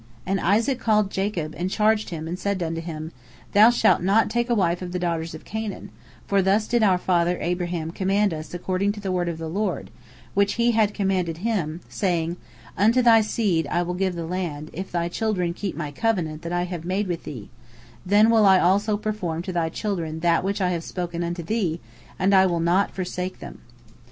" And Isaac called Jacob, and charged him, and said unto him: "Thou shalt not take a wife of the daughters of Canaan, for thus did our father Abraham command us according to the word of the Lord, which He had commanded him, saying, 'Unto thy seed will I give the land; if thy children keep My covenant that I have made with thee, then will I also perform to thy children that which I have spoken unto thee, and I will not forsake them.'